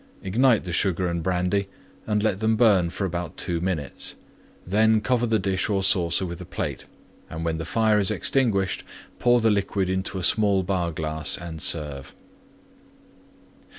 Ignite the Sugar and Brandy and let them burn for about two minutes. Then cover the dish or saucer with a plate, and when the fire is extinguished pour the liquid into a small Bar glass and serve.